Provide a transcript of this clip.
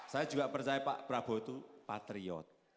saya juga percaya pak prabowo itu patriot